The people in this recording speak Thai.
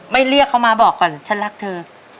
เรียกเขามาบอกก่อนฉันรักเธอ